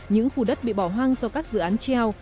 những khu đất bị bỏ hoang do các dự án treo